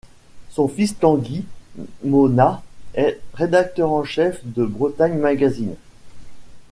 Son fils Tanguy Monnat est rédacteur en chef de Bretagne Magazine.